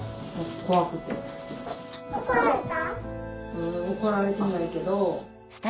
ううん怒られてないけど。